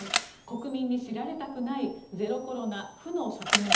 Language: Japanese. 国民に知られたくないゼロコロナ負の側面。